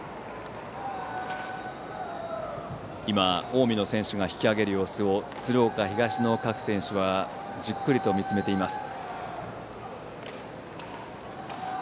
近江の選手が引き揚げる様子を鶴岡東の各選手はじっくりと見つめています。